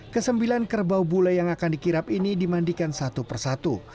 kesembilan kerbau bule yang akan dikirap ini dimandikan satu persatu